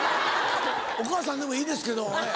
お母さんでもいいですけど。